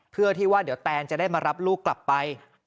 เพื่อที่ว่าเดี๋ยวแตนจะได้มารับลูกกลับไป